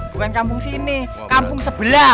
bukan kampung sini kampung sebelah